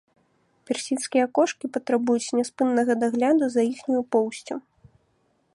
Персідскія кошкі патрабуюць няспыннага дагляду за іхняю поўсцю.